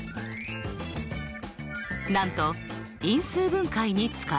なんと因数分解に使えるんです！